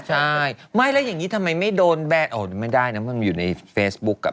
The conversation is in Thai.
ใช่ไม่แล้วอย่างนี้ทำไมไม่โดนแบนออกไม่ได้นะมันอยู่ในเฟซบุ๊กอ่ะ